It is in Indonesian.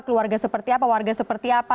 keluarga seperti apa warga seperti apa